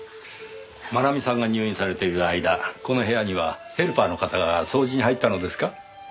真奈美さんが入院されている間この部屋にはヘルパーの方が掃除に入ったのですか？